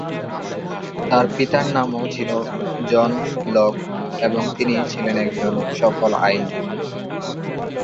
তার পিতার নামও ছিল জন লক এবং তিনি ছিলেন একজন সফল আইনজীবী।